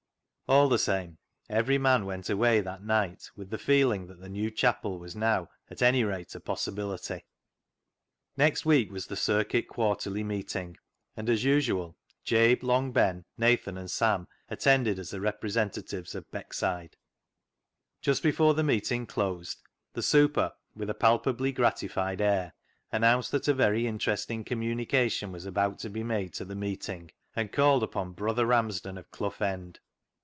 All the same every man went away that night with the feeling that the new chapel was now at anyrate a possibility. Next week was the Circuit Quarterly Meet ing, and as usual, Jabe, Long Ben, Nathan, and Sam attended as the representatives of Beckside. '«THE ZEAL OF THINE HOUSE" 297 Just before the meeting closed, the " super," with a palpably gratified air, announced that a very interesting communication was about to be made to the meeting, and called upon Brother Ramsden, of Clough End.